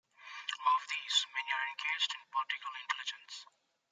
Of these, many are engaged in "political intelligence".